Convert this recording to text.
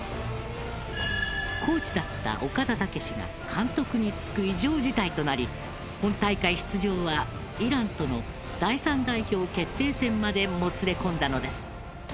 コーチだった岡田武史が監督に就く異常事態となり本大会出場はイランとの第３代表決定戦までもつれ込んだのです。